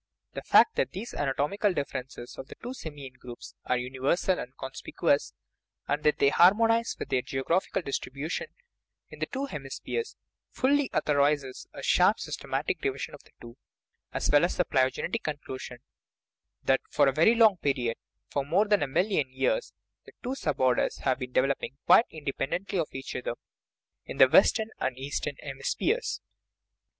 The fact that these anatomical differences of the two simian groups are universal and conspicuous, and that they harmonize with their geographical distribution in the two hemi spheres, fully authorizes a sharp systematic division of the two, as well as the phylogenetic conclusion that for a very long period (for more than a million years) the two sub orders have been developing quite inde pendently of each other in the western and eastern 35 THE RIDDLE OF THE UNIVERSE hemispheres.